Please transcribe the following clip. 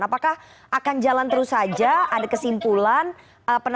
apakah akan jalan terus saja ada kesimpulan